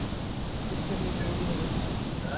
اس کے لئیے ضروری ہے